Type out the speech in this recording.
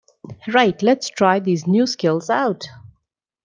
Right, lets try these new skills out!